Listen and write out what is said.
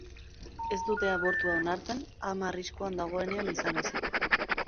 Ez dute abortua onartzen, ama arriskuan dagoenean izan ezik.